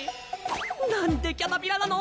なんでキャタピラなの？